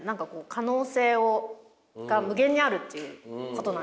可能性が無限にあるっていうことなんですね。